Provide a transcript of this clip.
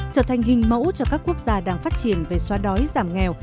trở thành hình mẫu cho các quốc gia đang phát triển về xóa đói giảm nghèo